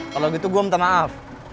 kalau gitu gue minta maaf